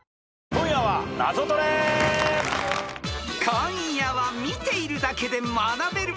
『今夜はナゾトレ』［今夜は見ているだけで学べる！